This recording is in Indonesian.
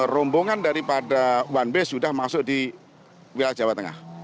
rombongan daripada one way sudah masuk di wilayah jawa tengah